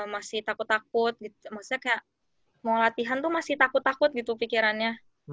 masih takut takut maksudnya kayak mau latihan tuh masih takut takut gitu pikirannya